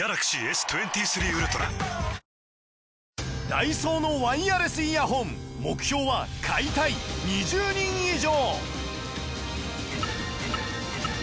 ダイソーのワイヤレスイヤホン目標は「買いたい」２０人以上